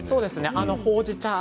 ほうじ茶